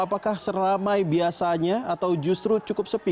apakah seramai biasanya atau justru cukup sepi